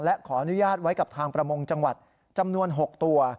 และขออนุญาตไว้กับทางประมงจังหวัดจำนวน๖ตัว